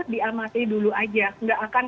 diamasi dulu aja gak akan